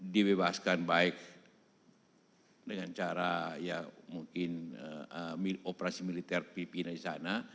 dibebaskan baik dengan cara operasi militer filipina di sana